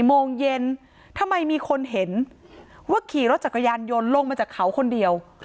โมงเย็นทำไมมีคนเห็นว่าขี่รถจักรยานยนต์ลงมาจากเขาคนเดียว